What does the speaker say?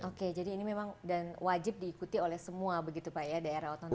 oke jadi ini memang dan wajib diikuti oleh semua begitu pak ya daerah otonomi